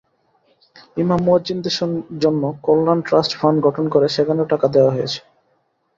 ইমাম-মুয়াজ্জিনদের জন্য কল্যাণ trust fund গঠন করে সেখানেও টাকা দেওয়া হয়েছে।